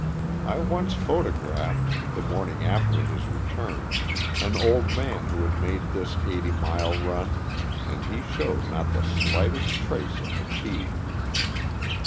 I once photographed, the morning after his return, an old man who had made this eighty mile run, and he showed not the slightest trace of fatigue.